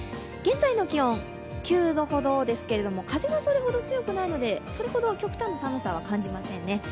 現在の気温は９度ほどですけども、風がそれほど強くないのでそれほど極端な寒さは感じませんね。